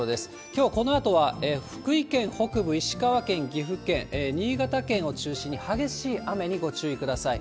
きょう、このあとは福井県北部、石川県、岐阜県、新潟県を中心に激しい雨にご注意ください。